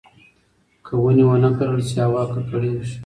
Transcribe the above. که ونې ونه کرل شي، هوا ککړېږي.